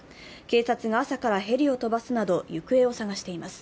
警察が朝からヘリを飛ばすなど行方を捜しています。